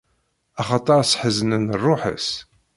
Axaṭer sḥeznen ṛṛuḥ-is.